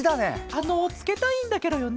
あのつけたいんだケロよね。